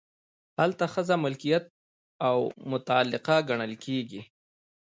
هلته ښځه ملکیت او متعلقه ګڼل کیږي.